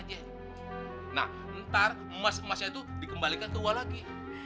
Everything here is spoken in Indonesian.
nah ntar emas emasnya itu dikembalikan ke ua lagi